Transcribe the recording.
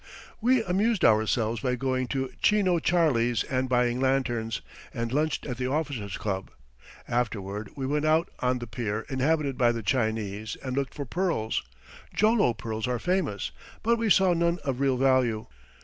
We amused ourselves by going to Chino Charlie's and buying lanterns, and lunched at the Officers' Club. Afterward we went out on the pier inhabited by the Chinese and looked for pearls Jolo pearls are famous but we saw none of real value.